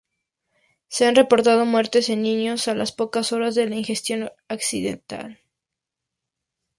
Se han reportado muertes en niños a las pocas horas de la ingestión accidental.